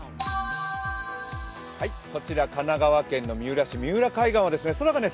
こちら、神奈川県の三浦市、三浦海岸からです。